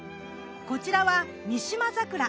こちらは三島桜。